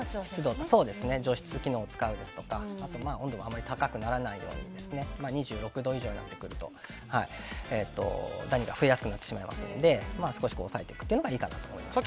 除湿機能を使うですとかあとは温度があまり高くならないように２６度以上になるとダニが増えやすくなりますので少し抑えていくというのがいいかなと思います。